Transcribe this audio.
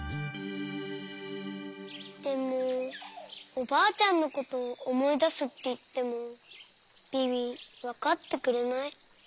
でもおばあちゃんのことおもいだすっていってもビビわかってくれない。